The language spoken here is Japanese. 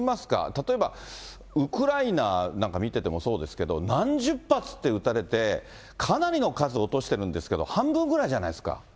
例えばウクライナなんか見ててもそうですけど、何十発って撃たれて、かなりの数落としてるんですけど、半分ぐらいじゃないですか？